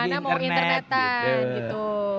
gimana mau internetan gitu